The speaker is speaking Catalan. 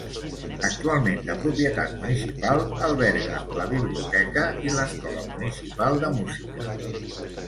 Actualment de propietat municipal, alberga la Biblioteca i l'Escola Municipal de Música.